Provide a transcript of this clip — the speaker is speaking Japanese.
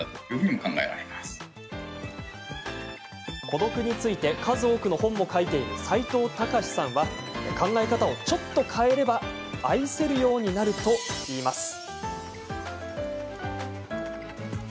孤独について数多くの本も書いている齋藤孝さんは考え方をちょっと変えれば愛せるようになるといいます。